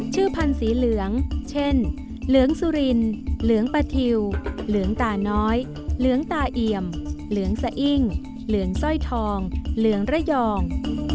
พันธุ์สีเหลืองเช่นเหลืองสุรินเหลืองปะทิวเหลืองตาน้อยเหลืองตาเอี่ยมเหลืองสะอิ้งเหลืองสร้อยทองเหลืองระยอง